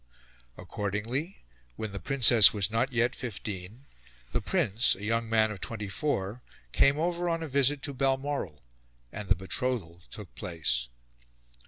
Accordingly, when the Princess was not yet fifteen, the Prince, a young man of twenty four, came over on a visit to Balmoral, and the betrothal took place.